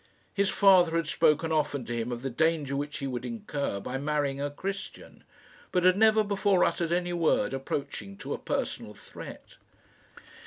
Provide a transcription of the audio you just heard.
His father had spoken often to him of the danger which he would incur by marrying a Christian, but had never before uttered any word approaching to a personal threat.